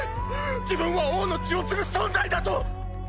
自分は王の血を継ぐ存在だと！